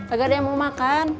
agak dia mau makan